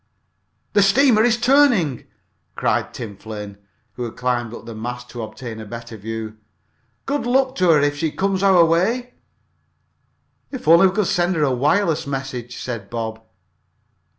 "The steamer is turning!" cried Tim Flynn, who had climbed up the mast to obtain a better view. "Good luck to her if she comes this way!" "If only we could send her a wireless message!" said Bob.